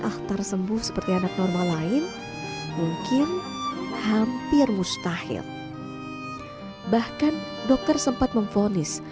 akhtar sembuh seperti anak normal lain mungkin hampir mustahil bahkan dokter sempat memfonis